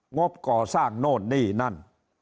งบก่อสร้างโน่นนี่นั่น